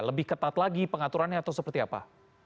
lebih ketat lagi pengaturannya atau seperti apa